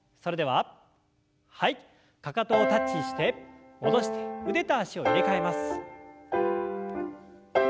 かかとをタッチして戻して腕と脚を入れ替えます。